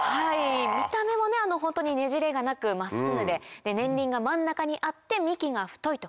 見た目もホントにねじれがなく真っすぐで年輪が真ん中にあって幹が太いと。